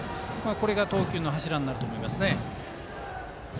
これが投球の柱になると思います。